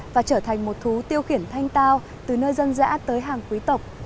và trở thành một thú tiêu khiển thanh tao từ nơi dân dã tới hàng quý tộc